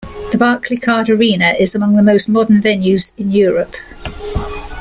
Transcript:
The Barclaycard Arena is among the most modern venues in Europe.